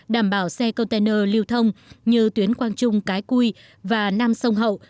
đảm bảo xe container lưu thông như tuyến quang trung cái cui và nam sông hậu